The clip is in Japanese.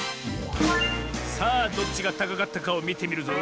さあどっちがたかかったかをみてみるぞ。